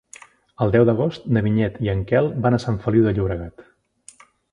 El deu d'agost na Vinyet i en Quel van a Sant Feliu de Llobregat.